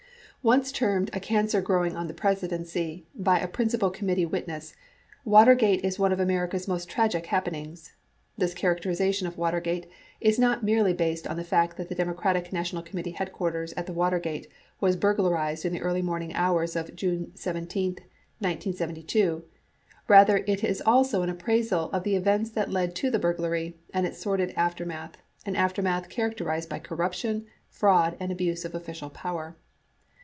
Once termed "a cancer growing on the Presidency" by a principal committee witness, 1 Water gate is one of America's most tragic happenings. This characterization of Watergate is not merely based on the fact that the Democratic National Committee headquarters at the Watergate was burglarized in the early morning hours of June 17, 1972. Bather, it is also an appraisal of the events that led to the burglary and its sordid after math, an aftermath characterized by corruption, fraud, and abuse of official power.